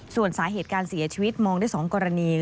ส่วนสาเหตุการเสียชีวิตมองได้๒กรณี